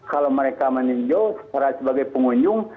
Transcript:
kalau mereka meninjau sebagai pengunjung